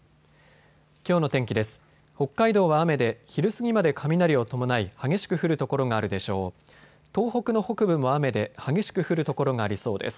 きょうの天気です。